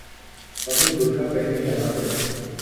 خواتین برقعہ پہنتیں یا نہ پہنتیں۔